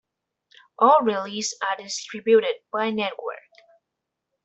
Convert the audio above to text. All releases are distributed by Network.